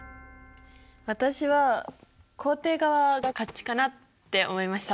私は肯定側が勝ちかなって思いました。